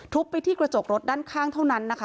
ไปที่กระจกรถด้านข้างเท่านั้นนะคะ